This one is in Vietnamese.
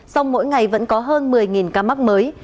sau mỗi ngày vẫn có hơn một mươi ca mắc mới